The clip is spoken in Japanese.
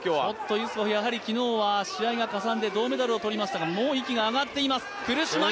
ユスポフ、昨日は試合がかさんで銅メダルをとりましたがもう息が上がっています。